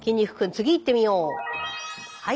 次いってみよう。